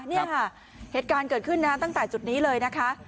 นี่ค่ะเหตุการณ์เกิดขึ้นนะตั้งแต่จุดนี้เลยนะคะ